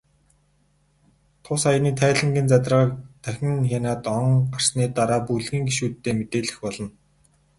Тус аяны тайлангийн задаргааг дахин хянаад, он гарсны дараа бүлгийн гишүүддээ мэдээлэх болно.